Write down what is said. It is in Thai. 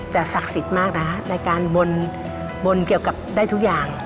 ศักดิ์สิทธิ์มากนะคะในการบนเกี่ยวกับได้ทุกอย่าง